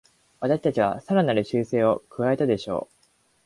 私たちはさらなる修正を加えたでしょう